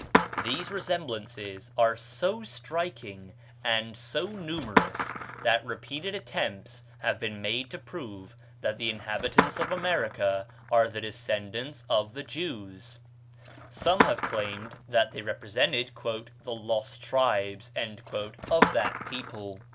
These resemblances are so striking and so numerous that repeated attempts have been made to prove that the inhabitants of America are the descendants of the Jews; some have claimed that they represented "the lost tribes" of that people.